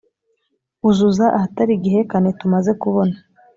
Uzuza ahatari igihekane tumaze kubona